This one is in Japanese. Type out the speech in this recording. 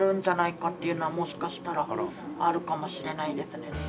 っていうのはもしかしたらあるかもしれないですね